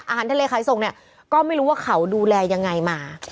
อาหารทะเลขายส่งเนี่ยก็ไม่รู้ว่าเขาดูแลยังไงมา